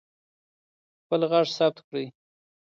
خپل غږ ثبت کړئ.